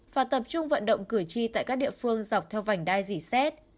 và tập trung vận động cử tri tại các địa phương dọc theo vành đai dì xét